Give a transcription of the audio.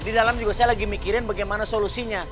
di dalam juga saya lagi mikirin bagaimana solusinya